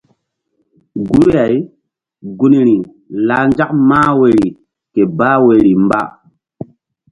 Guri-ay gunri lah nzak mah woyri ke bah woyri mba.